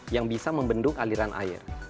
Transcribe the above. yang bisa membendung aliran air